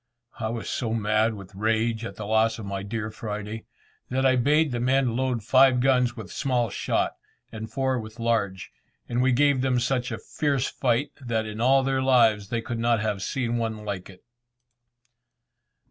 I was so mad with rage at the loss of my dear Friday, that I bade the men load five guns with small shot, and four with large, and we gave them such a fierce fire that in all their lives they could not have seen one like it.